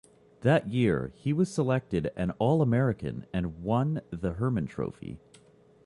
That year, he was selected as an All-American and won the Hermann Trophy.